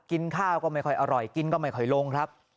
กินข้าวก็ไม่ค่อยอร่อยกินก็ไม่ค่อยลงครับ